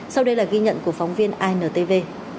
sau đây là ghi nhận của phóng viên intv